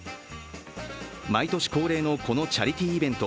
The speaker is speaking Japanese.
毎年恒例のこのチャリティーイベント。